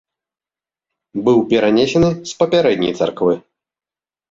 Быў перанесены з папярэдняй царквы.